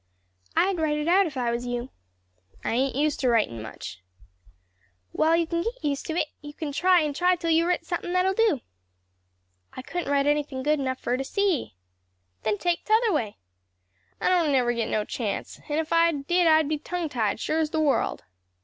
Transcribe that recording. "I'd write it out if I was you." "I ain't used to writin' much." "Well, you can get used to it; you can try and try till you've writ somethin' that'll do." "I couldn't write anything good enough for her to see." "Then take t'other way." "I don't never git no chance; and if I did I'd be tongue tied, sure as the world."